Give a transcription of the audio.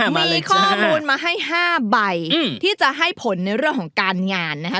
มีข้อมูลมาให้๕ใบที่จะให้ผลในเรื่องของการงานนะคะ